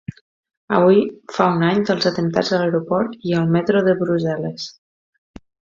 Avui fa un any dels atemptats a l’aeroport i al metro de Brussel·les.